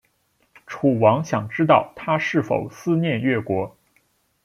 楚王想知道他是否思念越国。